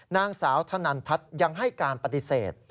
นางสาวธนันพัฒน์ยังให้การปฏิเสธ